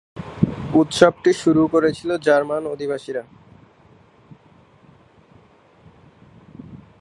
উৎসবটি শুরু করে জার্মান অভিবাসীরা।